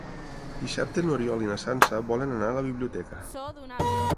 Dissabte n'Oriol i na Sança volen anar a la biblioteca.